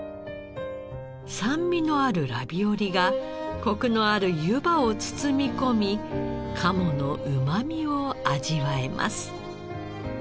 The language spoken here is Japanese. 酸味のあるラビオリがコクのある湯葉を包み込み鴨のうまみを味わえます。